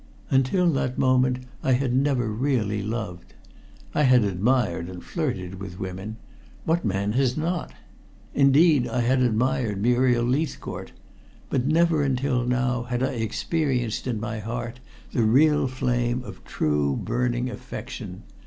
Until that moment I had never really loved. I had admired and flirted with women. What man has not? Indeed, I had admired Muriel Leithcourt. But never until now had I experienced in my heart the real flame of true burning affection.